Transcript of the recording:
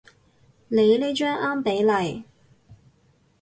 你呢張啱比例